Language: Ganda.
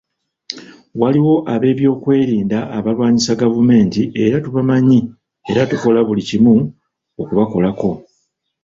Waliwo ab'ebyokwerinda abalwanyisa gavumenti era tubamanyi era tukola buli kimu okubakolako.